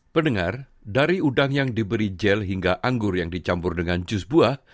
pendengar dari udang yang diberi gel hingga anggur yang dicampur dengan jus buah